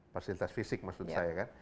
fasilitas fisik maksud saya kan